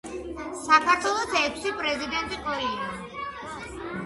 საქართველოს ექვსი პრეზიდენტი ყოლია